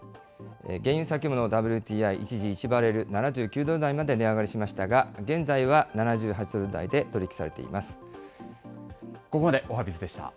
原油先物・ＷＴＩ、一時、１バレル７９ドル台まで値上がりしましたが、現在は７８ドル台で取り引きされています。